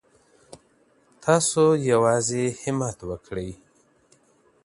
تاسو یوازې همت وکړئ.